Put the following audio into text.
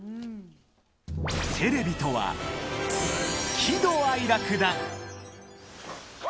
テレビとは、喜怒哀楽だ！